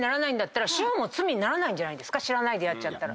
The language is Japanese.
知らないでやっちゃったら。